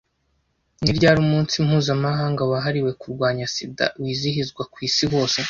Ni ryari 'Umunsi mpuzamahanga wahariwe kurwanya SIDA' wizihizwa ku isi hose